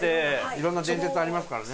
いろんな伝説ありますからね。